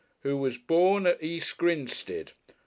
"' who was born at East Grinstead.'